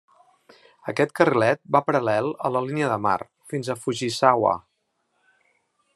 Aquest carrilet va paral·lel a la línia de mar fins a Fujisawa.